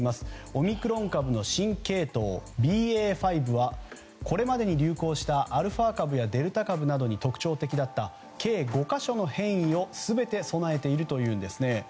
オミクロン株の新系統ＢＡ．５はこれまでに流行したアルファ株やデルタ株などに特徴的だった計５か所の変異を全て備えているというのです。